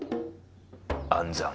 暗算。